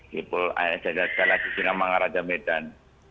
di pol als di medan